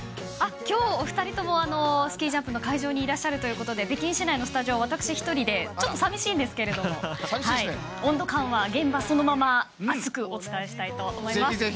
今日お２人ともスキージャンプの会場にいらっしゃるということで北京市内のスタジオ私１人でちょっと寂しいんですが温度感は現場そのまま熱くお伝えしたいと思います。